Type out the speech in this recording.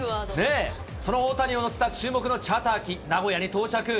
その大谷を乗せた注目のチャーター機、名古屋に到着。